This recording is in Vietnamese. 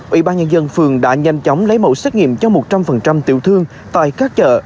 ủy ban nhân dân phường đã nhanh chóng lấy mẫu xét nghiệm cho một trăm linh tiểu thương tại các chợ